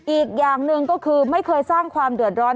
อีกอย่างหนึ่งก็คือไม่เคยสร้างความเดือดร้อน